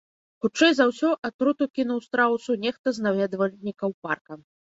Хутчэй за ўсё, атруту кінуў страусу нехта з наведвальнікаў парка.